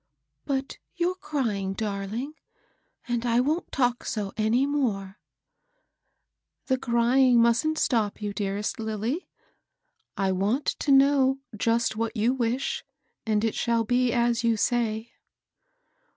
But you're dying, darling, and I wont talk so any more." " The crying mustn't stop you^ dearo&t liik^ 430 MABEL ROSS. I want to know just what you vnab, ; and it shaD be as you say."